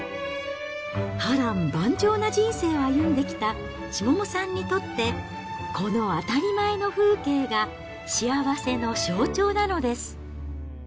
波乱万丈な人生を歩んできた千桃さんにとって、この当たり前の風景が幸せの象徴なのです。